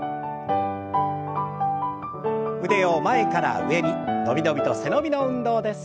腕を前から上に伸び伸びと背伸びの運動です。